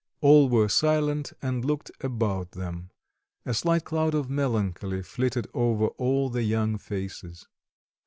All were silent and looked about them. A slight cloud of melancholy flitted over all the young faces.